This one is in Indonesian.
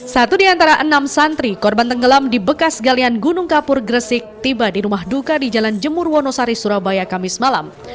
satu di antara enam santri korban tenggelam di bekas galian gunung kapur gresik tiba di rumah duka di jalan jemur wonosari surabaya kamis malam